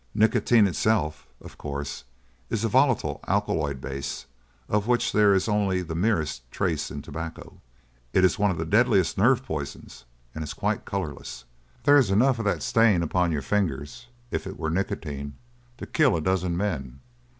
Nicotine itself, of course, is a volatile alkaloid base of which there is only the merest trace in tobacco. It is one of the deadliest of nerve poisons and is quite colourless. There is enough of that stain upon your fingers if it were nicotine to kill a dozen men."